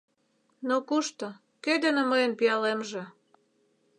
Но кушто, кӧ дене мыйын пиалемже?